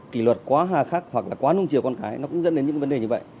kỷ luật quá hà khắc hoặc là quá nông chiều con cái nó cũng dẫn đến những vấn đề như vậy